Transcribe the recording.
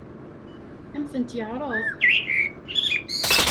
Ad m-ten-yeɛṛeḍ?